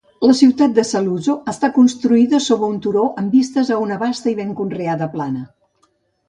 La ciutat de Saluzzo està construïda sobre un turó amb vistes a una vasta i ben conreada plana.